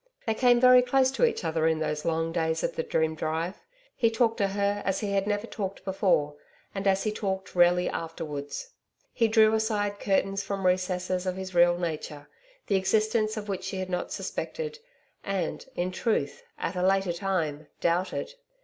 They came very close to each other in those long days of the dream drive. He talked to her as he had never talked before, and as he talked rarely afterwards. He drew aside curtains from recesses of his real nature, the existence of which she had not suspected, and, in truth, at a later time, doubted.